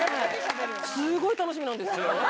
スゴい楽しみなんですよ。